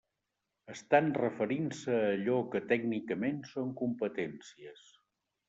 Estan referint-se a allò que tècnicament són competències.